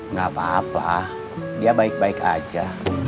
nggak apa apa dia baik baik aja